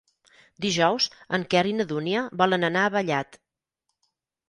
Dijous en Quer i na Dúnia volen anar a Vallat.